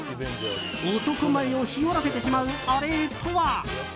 男前をひよらせてしまうあれとは？